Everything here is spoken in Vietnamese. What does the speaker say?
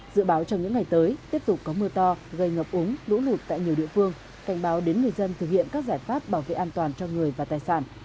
dự báo trong những ngày tới tiếp tục có mưa to gây ngập úng lũ lụt tại nhiều địa phương cảnh báo đến người dân thực hiện các giải pháp bảo vệ an toàn cho người và tài sản